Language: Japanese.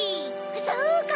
そうか！